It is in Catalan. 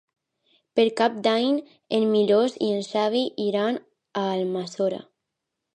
Per Cap d'Any en Milos i en Xavi iran a Almassora.